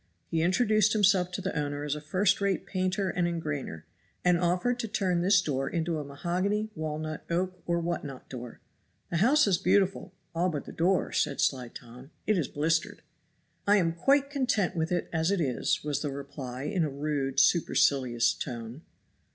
He introduced himself to the owner as a first rate painter and engrainer, and offered to turn this door into a mahogany, walnut, oak or what not door. "The house is beautiful, all but the door," said sly Tom; "it is blistered." "I am quite content with it as it is," was the reply in a rude, supercilious tone.